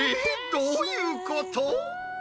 どういうこと？